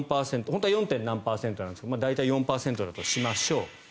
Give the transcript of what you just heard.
本当は４．何パーセントなんですが大体４％としましょう。